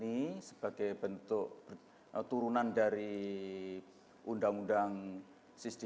karena kehendak kebudayaan itu mulai besar rare jadi